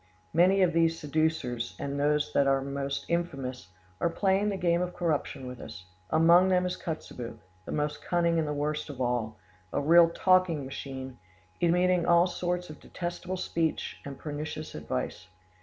"Many of these seducers, and those are the most infamous, are playing the game of corruption with us; among them is Kotzebue, the most cunning and the worst of all, a real talking machine emitting all sorts of detestable speech and pernicious advice.